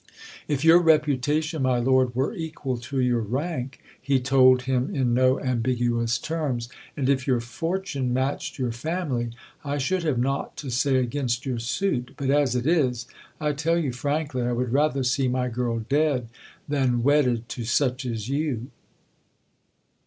"If your reputation, my lord, were equal to your rank," he told him in no ambiguous terms; "and if your fortune matched your family, I should have naught to say against your suit. But as it is, I tell you frankly, I would rather see my girl dead than wedded to such as you."